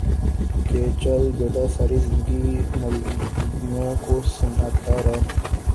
کہ چل بیٹا ساری زندگی مولبیوں کو سنتا رہ